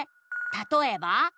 「たとえば？」